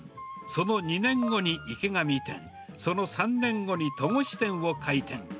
その２年後に池上店、その３年後に戸越店を開店。